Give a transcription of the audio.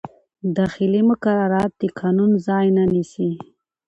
داخلي مقررات د قانون ځای نه نیسي.